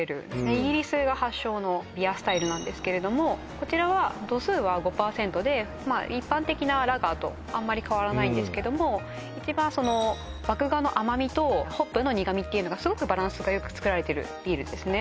イギリスが発祥のビアスタイルなんですけれどもこちらは度数は５％で一般的なラガーとあまり変わらないんですけども一番麦芽の甘味とホップの苦味っていうのがすごくバランスがよくつくられてるビールですね